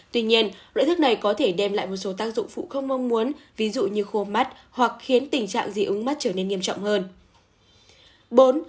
tuy nhiên loại thức này có thể đem lại một số tác dụng phụ không mong muốn ví dụ như khô mắt hoặc khiến tình trạng dị ứng mắt trở nên nghiêm trọng hơn